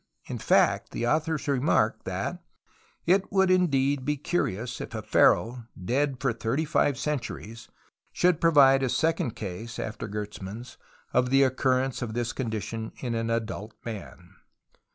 In fact the authors remark that " it would indeed be curious if a pharaoh, dead for thirty five centuries, should provide a second case (after Gertsmann's) of the occurrence of this condi tion in an adult man."